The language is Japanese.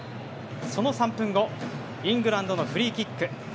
その３分後イングランドのフリーキック。